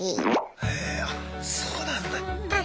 へえあっそうなんだ！